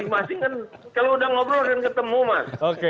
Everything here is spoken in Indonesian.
masing masing kan kalau udah ngobrol dan ketemu mas